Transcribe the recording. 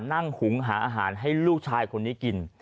หุงหาอาหารให้ลูกชายคนนี้กิน